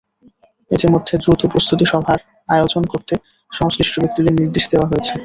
ইতিমধ্যে দ্রুত প্রস্তুতি সভার আয়োজন করতে সংশ্লিষ্ট ব্যক্তিদের নির্দেশ দেওয়া হয়েছে।